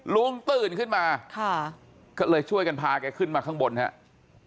ลุงตื่นขึ้นมาค่ะก็เลยช่วยกันพาแกขึ้นมาข้างบนครับ